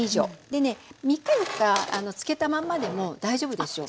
でね３日４日漬けたまんまでも大丈夫ですよ。